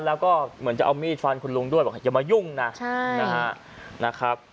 แล้วก็เหมือนจะเอามีดฟันคุณลุงด้วยบอกอย่ามายุ่งนะใช่นะครับ